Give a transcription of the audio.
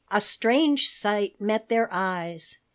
A strange sight met their eyes.